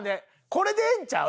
これでええんちゃう？